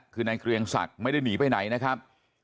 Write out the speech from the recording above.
คือนายเกรียงศักดิ์ไม่ได้หนีไปไหนนะครับ